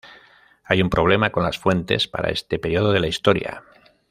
Hay un problema con las fuentes para este periodo de la historia.